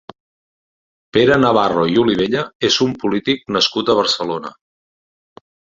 Pere Navarro i Olivella és un polític nascut a Barcelona.